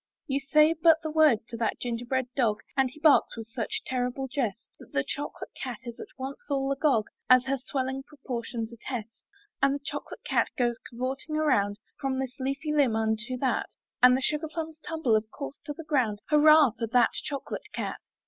144 IN THE NURSERY You say but the word to that gingerbread dog And he barks with such terrible zest That the chocolate cat is at once all agog, As her sweUing proportions attest. And the chocolate cat goes cavorting around From this leafy limb unto that, And the sugar plums tumble, of course, to the ground — Hurrah for that chocolate cat.